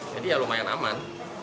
jadi ya lumayan aman